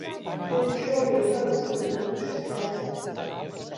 Tieši šobrīd pavasarī īpaši skaisti.